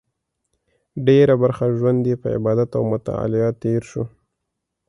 ډېره برخه ژوند یې په عبادت او مطالعه تېر شو.